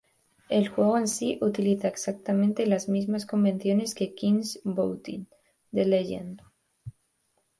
El juego en sí utiliza exactamente las mismas convenciones que "King's Bounty: The Legend".